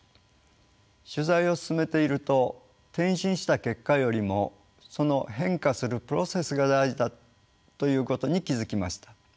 取材を進めていると転身した結果よりもその変化するプロセスが大事だということに気付きました。